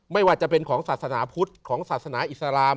ไม่ว่าจะเป็นของศาสนาพุทธของศาสนาอิสลาม